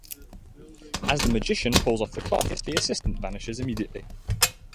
As the magician pulls off the cloth, the assistant vanishes instantly.